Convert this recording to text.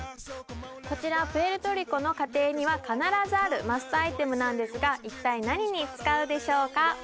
こちらプエルトリコの家庭には必ずあるマストアイテムなんですが一体何に使うでしょうか？